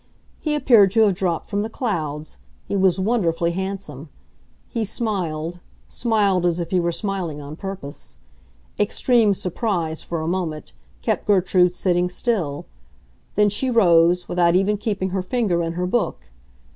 He appeared to have dropped from the clouds; he was wonderfully handsome; he smiled—smiled as if he were smiling on purpose. Extreme surprise, for a moment, kept Gertrude sitting still; then she rose, without even keeping her finger in her book.